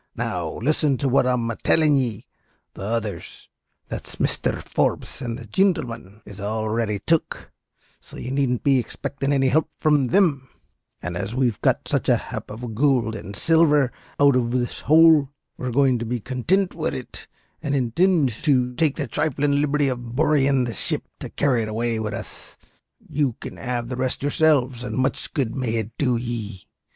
Now, listen to what I'm tellin' ye. The others that's Misther Forbes and the gintleman is already tuk, so ye needn't be expectin' any help from thim; and as we've got such a hape of goold and silver out ov this houle, we're goin' to be contint wid it, and intind to take the thriflin' liberty of borryin' the ship to carry it away wid us; you can have the rest yourselves, and much good may it do ye.